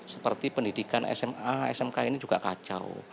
seperti pendidikan sma smk ini juga kacau